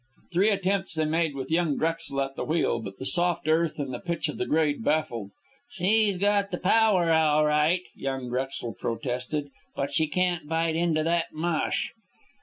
Three attempts they made, with young Drexel at the wheel; but the soft earth and the pitch of the grade baffled. "She's got the power all right," young Drexel protested. "But she can't bite into that mush."